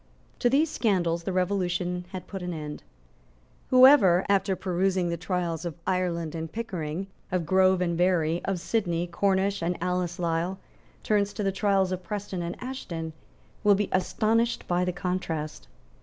To these scandals the Revolution had put an end. Whoever, after perusing the trials of Ireland and Pickering, of Grove and Berry, of Sidney, Cornish and Alice Lisle, turns to the trials of Preston and Ashton, will be astonished by the contrast.